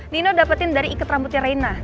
nino dapetin dari ikat rambutnya reina